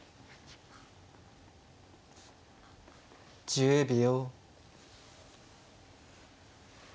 １０秒。